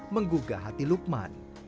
menggugah hati lukman